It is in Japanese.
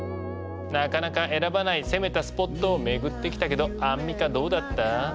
なかなか選ばない攻めたスポットを巡ってきたけどアンミカどうだった？